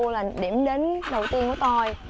là điểm đến đầu tiên của tôi